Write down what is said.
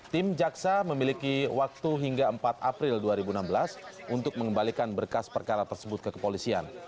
tim jaksa memiliki waktu hingga empat april dua ribu enam belas untuk mengembalikan berkas perkara tersebut ke kepolisian